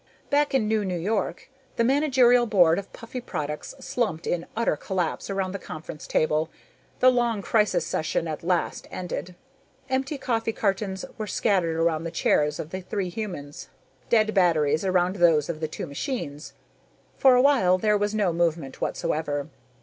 Back in NewNew York, the managerial board of Puffy Products slumped in utter collapse around the conference table, the long crisis session at last ended. Empty coffee cartons were scattered around the chairs of the three humans, dead batteries around those of the two machines. For a while, there was no movement whatsoever.